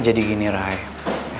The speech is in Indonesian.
jadi gini rea